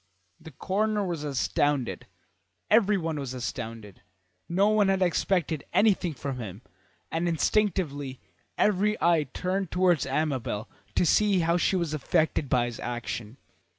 The coroner was astounded; everyone was astounded. No one had expected anything from him, and instinctively every eye turned towards Amabel to see how she was affected by his action.